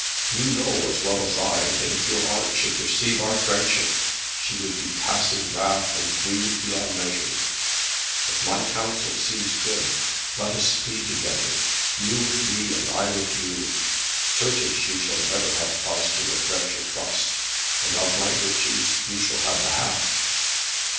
You know, as well as I, that if your aunt should perceive our friendship, she would be passing wrath, and grieve beyond measure. If my counsel seems good, let us flee together, you with me, and I with you. Certes, you shall never have cause to regret your trust, and of my riches you shall have the half."